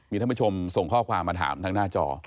มีท่านผู้ชมส่งข้อความมาถามทางหน้าจอ